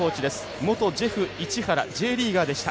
元ジェフ市原Ｂリーガーでした。